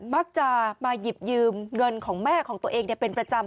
มักจะมาหยิบยืมเงินของแม่ของตัวเองเป็นประจำ